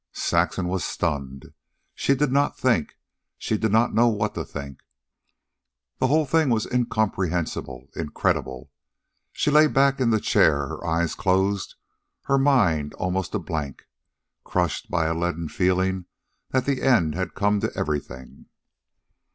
Saxon was stunned. She did not think. She did not know what to think. The whole thing was incomprehensible, incredible. She lay back in the chair, her eyes closed, her mind almost a blank, crushed by a leaden feeling that the end had come to everything.